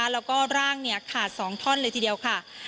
แล้วก็ร่างขาด๒ท่อนเลยทีเดียวค่ะ